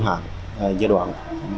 hàng giai đoạn một mươi tám hai mươi